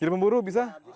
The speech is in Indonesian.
jadi pemburu bisa